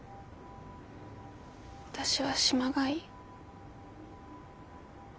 私は島がいい。